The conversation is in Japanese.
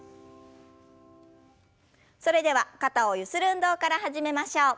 それでは肩をゆする運動から始めましょう。